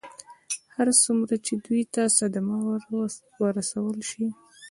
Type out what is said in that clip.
هر څومره چې دوی ته صدمه ورسول شي.